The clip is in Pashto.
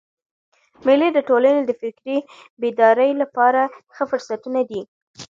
مېلې د ټولني د فکري بیدارۍ له پاره ښه فرصتونه دي.